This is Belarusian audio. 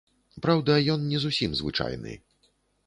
Праўда, ён не зусім звычайны.